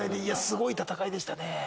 いやすごい戦いでしたね。